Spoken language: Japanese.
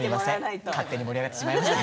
勝手に盛り上げてしまいました。